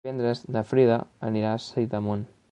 Divendres na Frida anirà a Sidamon.